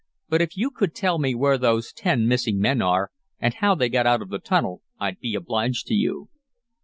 "But if you could tell me where those ten missing men are, and how they got out of the tunnel, I'd be obliged to you."